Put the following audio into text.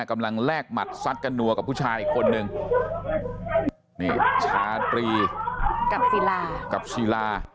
กำลังแลกหมัดซัดกันดัวกับผู้ชายอีกคนหนึ่งนี่ชาตรีกับซีลากับซีลา